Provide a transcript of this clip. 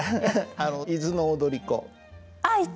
あの「伊豆の踊子」。